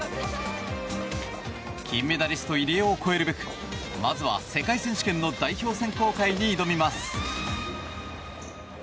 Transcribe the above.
金メダリスト、入江を超えるべくまずは世界選手権の代表選考会に挑みます。